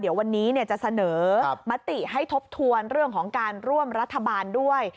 เดี๋ยววันนี้จะเสนอมติให้ทบทวนเรื่องของการร่วมรัฐบาลด้วย